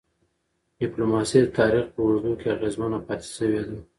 ډيپلوماسي د تاریخ په اوږدو کي اغېزمنه پاتې سوی ده.